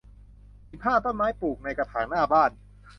สิบห้า ต้นไม้ปลูกในกระถางหน้าบ้าน